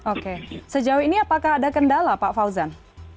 oke sejauh ini apakah ada kendala pak fauzan